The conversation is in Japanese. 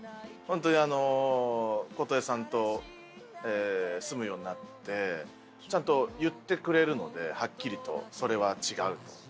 本当にあの琴絵さんと住むようになってちゃんと言ってくれるのではっきりとそれは違うと。